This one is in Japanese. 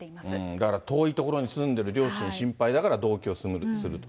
だから遠い所に住んでいる両親、心配だから同居する。